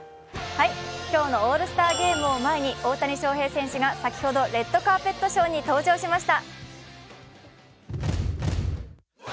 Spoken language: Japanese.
今日のオールスターゲームを前に大谷翔平選手が先ほどレッドカーペットショーに登場しました。